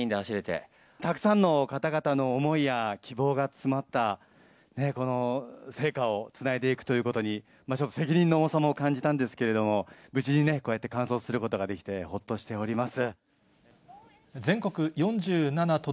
たくさんの方々の思いや希望が詰まった、この聖火をつないでいくということに、ちょっと責任の重さも感じたんですけれども、無事にね、こうやって完走することができて、ほっとしております。